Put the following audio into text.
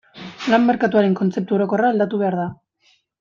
Lan merkatuaren kontzeptu orokorra aldatu behar da.